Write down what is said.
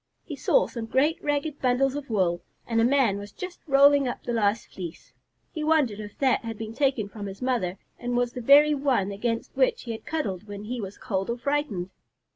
He saw some great ragged bundles of wool, and a man was just rolling up the last fleece. He wondered if that had been taken from his mother and was the very one against which he had cuddled when he was cold or frightened.